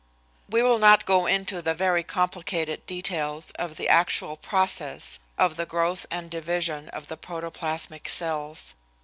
We will not go into the very complicated details of the actual process of the growth and division of the protoplasmic cells.